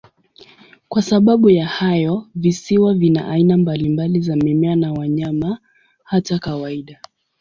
Kwa sababu ya hayo, visiwa vina aina mbalimbali za mimea na wanyama, hata kawaida.